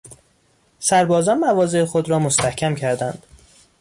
سربازان مواضع خود را مستحکم کردند.